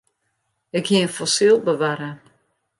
Ik hie in fossyl bewarre.